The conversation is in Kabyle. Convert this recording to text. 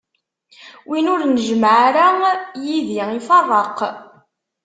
Win ur njemmeɛ ara yid-i, iferreq.